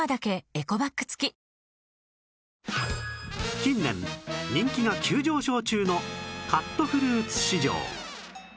近年人気が急上昇中のカットフルーツ市場